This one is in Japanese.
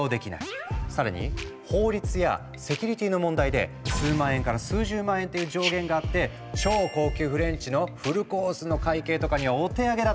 更に法律やセキュリティーの問題で数万円から数十万円っていう上限があって超高級フレンチのフルコースの会計とかにはお手上げだったんだ。